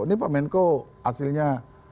ini pak menko hasilnya